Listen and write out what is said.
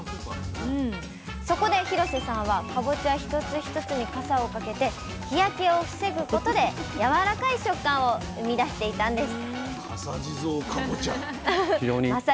そこで廣瀬さんはかぼちゃ一つ一つにかさをかけて日焼けを防ぐことでやわらかい食感を生み出していたんです